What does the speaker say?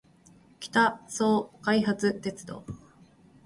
北総開発鉄道